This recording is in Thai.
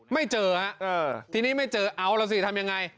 ไม่เจอฮะทีนี้ไม่เจอเอาล่ะสิทำยังไง